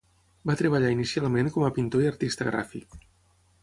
Va treballar inicialment com a pintor i artista gràfic.